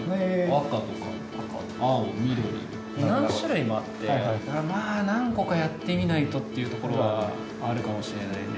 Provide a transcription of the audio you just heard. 赤とか青緑何種類もあってまあ何個かやってみないとっていうところはあるかもしれないね。